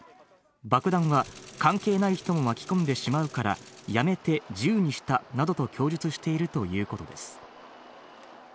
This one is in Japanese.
爆弾は関係ない人も巻き込んでしまうからやめて銃にしたなどと供述しているということです。